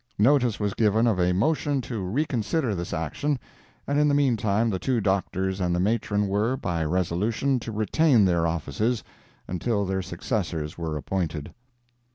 Notice was given of a motion to reconsider this action, and in the meantime the two doctors and the matron were, by resolution, to retain their offices until their successors were appointed.